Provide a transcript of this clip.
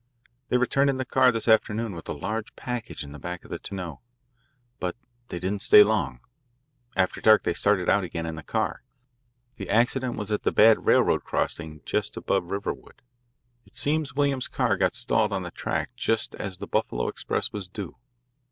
"They returned in the car this afternoon with a large package in the back of the tonneau. But they didn't stay long. After dark they started out again in the car. The accident was at the bad railroad crossing just above Riverwood. It seems Williams's car got stalled on the track just as the Buffalo express was due.